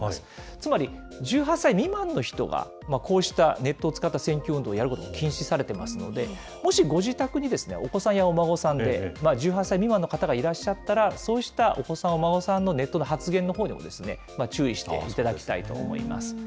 つまり、１８歳未満の人がこうしたネットを使った選挙運動をやること禁止されてますので、もしご自宅にお子さんやお孫さんで、１８歳未満の方がいらっしゃったら、そうしたお子さん、お孫さんのネットの発言のほうにも注意していただきたいと思います。